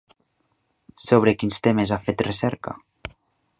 Sobre quins temes ha fet recerca?